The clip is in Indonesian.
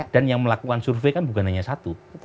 dan yang melakukan survei kan bukan hanya satu